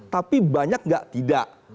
tapi banyak nggak tidak